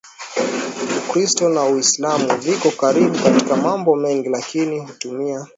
Ukristo na Uislamu viko karibu katika mambo mengi lakini hutumia